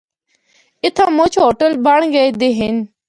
اِتھا مُچ ہوٹل بنڑ گئے دے ہن۔